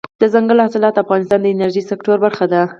دځنګل حاصلات د افغانستان د انرژۍ سکتور برخه ده.